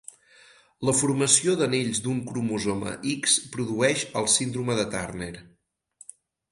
La formació d'anells d'un cromosoma X produeix el síndrome de Turner.